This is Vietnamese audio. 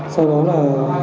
sau đó là